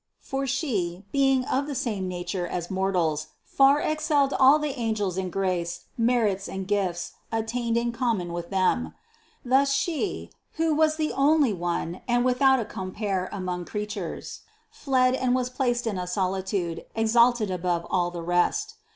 For She, being of the same nature as mor tals, far excelled all the angels in grace, merits and gifts attained in common with them. Thus, She who was the only One and without a compeer among crea tures, fled and was placed in a solitude exalted above all the rest.